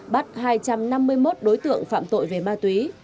bắt hai trăm năm mươi một đối tượng phạm tội về ma túy